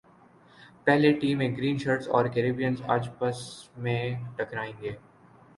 پہلے ٹی میں green shirts اور کیربیئنز اج پس میں ٹکرائیں گے